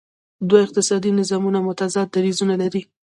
دوه اقتصادي نظامونه متضاد دریځونه لري.